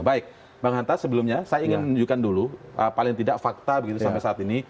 baik bang hanta sebelumnya saya ingin menunjukkan dulu paling tidak fakta begitu sampai saat ini